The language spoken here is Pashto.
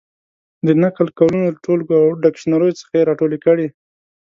د نقل قولونو د ټولګو او ډکشنریو څخه یې را ټولې کړې.